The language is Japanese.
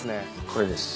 これです。